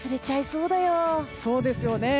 そうですよね。